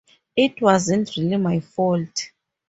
It wasn't really my fault.